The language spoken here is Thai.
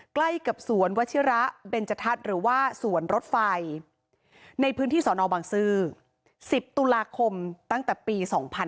ใกล้กับสวนวชิระเบนจทัศน์หรือว่าสวนรถไฟในพื้นที่สอนอบังซื้อ๑๐ตุลาคมตั้งแต่ปี๒๕๕๙